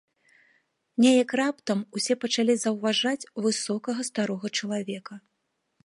Нейк раптам усе пачалі заўважаць высокага старога чалавека.